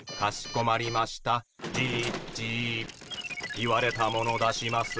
言われたもの出します。